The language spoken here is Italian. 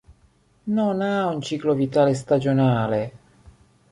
Non ha un ciclo vitale stagionale.